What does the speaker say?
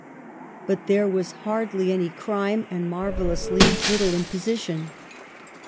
But there was hardly any crime, and marvellously little imposition.